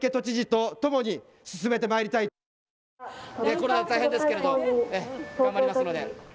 コロナで大変ですけれど頑張りますので。